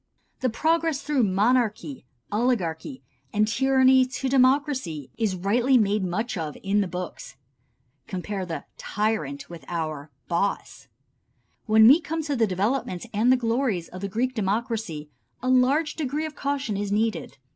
The progress through monarchy, oligarchy and tyranny to democracy is rightly made much of in the books. (Compare the "tyrant" with our "boss.") When we come to the development and the glories of the Greek democracy a large degree of caution is needed.